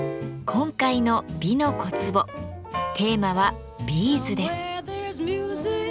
今回の「美の小壺」テーマは「ビーズ」です。